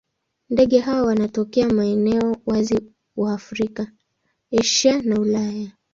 Ndege hawa wanatokea maeneo wazi wa Afrika, Asia na Ulaya.